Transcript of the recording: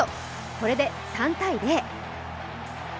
これで３−０。